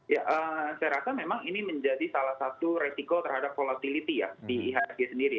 ya saya rasa memang ini menjadi salah satu resiko terhadap volatility ya di ihsg sendiri